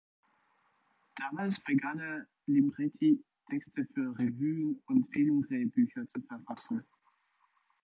Damals begann er, Libretti, Texte für Revuen und Filmdrehbücher zu verfassen.